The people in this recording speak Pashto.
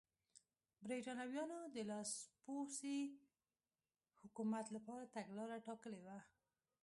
برېټانویانو د لاسپوڅي حکومت لپاره تګلاره ټاکلې وه.